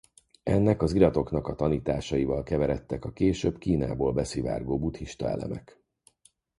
Ennek az iratoknak a tanításaival keveredtek a később Kínából beszivárgó buddhista elemek.